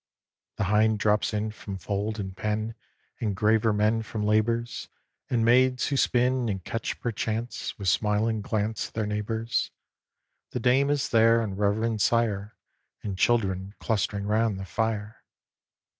The hinds drop in From fold and pen, And graver men From labours; And maids who spin And catch perchance With smile and glance Their neighbours; The dame is there, and reverend sire, And children clustering round the fire.